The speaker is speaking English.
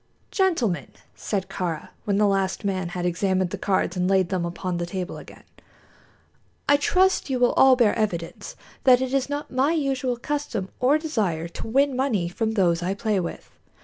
"Gentlemen," said Kāra, when the last man had examined the cards and laid them upon the table again, "I trust you will all bear evidence that it is not my usual custom or desire to win money from those I play with.